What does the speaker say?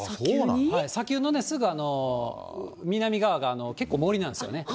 砂丘のすぐ南側が結構、森なんですよね。